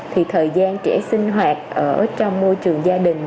thì thời gian trẻ sinh hoạt ở trong môi trường gia đình